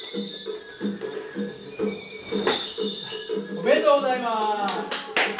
おめでとうございます。